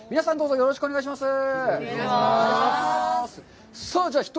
よろしくお願いします。